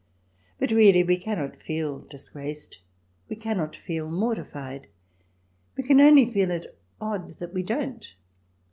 But really we cannot feel disgraced ; we cannot feel mortified ; we can only feel it odd that we don't.